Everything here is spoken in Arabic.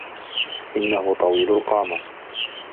إنه طويل القامة.